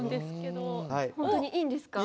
本当にいいんですか？